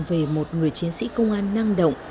về một người chiến sĩ công an năng động